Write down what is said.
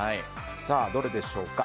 どれでしょうか？